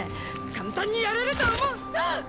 簡単にやれると思うはっ！